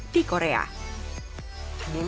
di kawasan tangerang